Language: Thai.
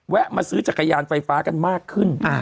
มาซื้อจักรยานไฟฟ้ากันมากขึ้น